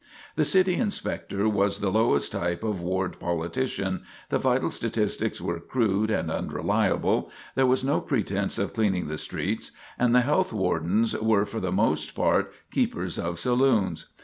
The City Inspector was the lowest type of ward politician, the vital statistics were crude and unreliable, there was no pretense of cleaning the streets, and the health wardens were for the most part keepers of saloons.